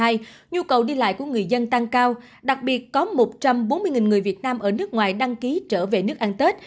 nhu cầu đi lại của người dân tăng cao đặc biệt có một trăm bốn mươi người việt nam ở nước ngoài đăng ký trở về nước ăn tết